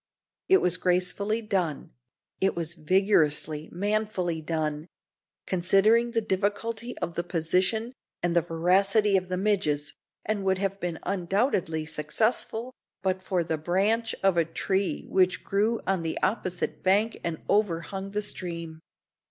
It was gracefully done; it was vigorously, manfully done considering the difficulty of the position, and the voracity of the midges and would have been undoubtedly successful but for the branch of a tree which grew on the opposite bank and overhung the stream.